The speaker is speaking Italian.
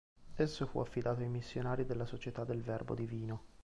Esso fu affidato ai missionari della Società del Verbo Divino.